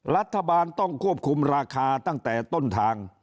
รัฐบาลต้องควบคุมราคาตั้งแต่ต้นทาง